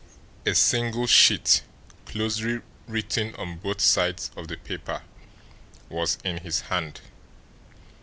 A single sheet, closely written on both sides of the paper, was in his hand.